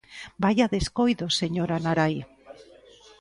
¡Vaia descoido, señora Narai!